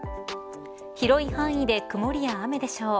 広い範囲で曇りや雨でしょう。